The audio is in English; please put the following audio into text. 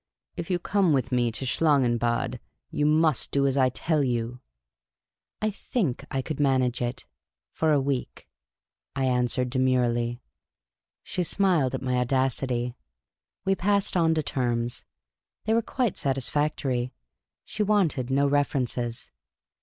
If you come with me to Schlangenbad, you must do as I tell you." I think I could manage it — for a week," I answered, den irely. She smiled at my audacity. We passed on to terms. They were quite satisfactory. She wanted no references.